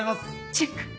チェック。